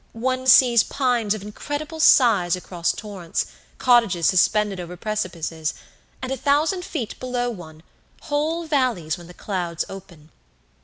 One sees pines of incredible size across torrents, cottages suspended over precipices, and, a thousand feet below one, whole valleys when the clouds open.